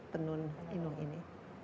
tenun inuh ini